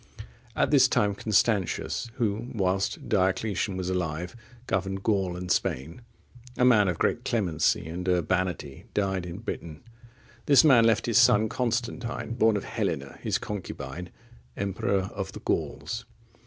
At this time Constantius, who, whilst Diocletian was alive, governed Gaul and Spain, a man of great clemency and urbanity, died in Britain. This man left his son Constantine,(59) born of Helena, his concubine, emperor of the Gauls.